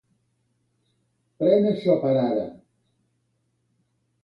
Pren això per ara.